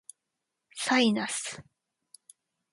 サイナス